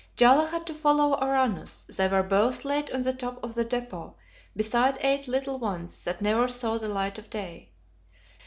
Jaala had to follow Uranus; they were both laid on the top of the depot, beside eight little ones that never saw the light of day.